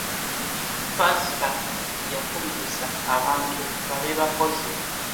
Pasita yakubiriza abantu babe bakozi.